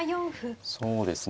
そうですね